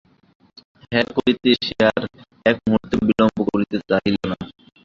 হাঁ করিতে সে আর এক মুহূর্ত বিলম্ব করিতে চাহিল না।